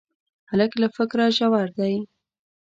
هلک له فکره ژور دی.